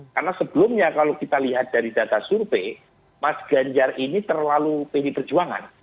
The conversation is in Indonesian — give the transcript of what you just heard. karena sebelumnya kalau kita lihat dari data survei mas ganjar ini terlalu pdi perjuangan